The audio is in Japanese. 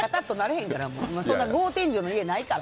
そんな天井の家ないから。